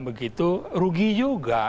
begitu rugi juga